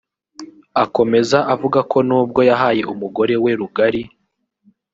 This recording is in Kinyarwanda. Akomeza avuga ko nubwo yahaye umugore we rugari